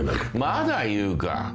まだ言うか。